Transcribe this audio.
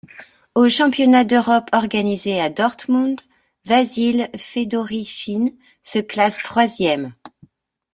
Aux Championnats d'Europe organisés à Dortmund, Vasyl Fedoryshyn se classe troisième.